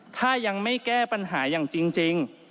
ถ้ายังไม่แก้ปัญหาอย่างจริง